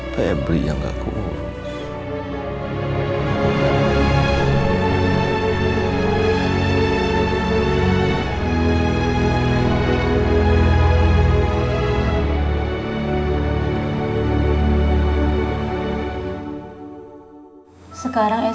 pebri yang gak kuurus